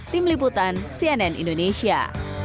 tim liputan cnn indonesia